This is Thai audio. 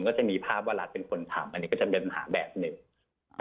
ก็จะมีภาพว่ารัฐเป็นคนทำอันนี้ก็จะเป็นปัญหาแบบหนึ่งอ่า